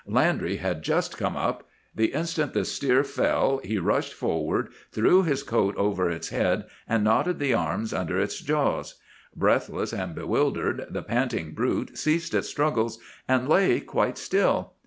"Landry had just come up. The instant the steer fell he rushed forward, threw his coat over its head, and knotted the arms under its jaws. Breathless and bewildered, the panting brute ceased its struggles and lay quite still.